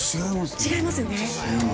違いますよね。